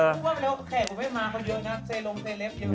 แขกกูไม่มาเค้าเยอะนะเสร็จลงเสร็จเล็บ